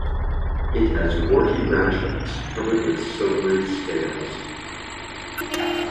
It has warty branchlets covered with silvery scales.